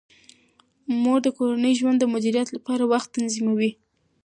مور د کورني ژوند د مدیریت لپاره وخت تنظیموي.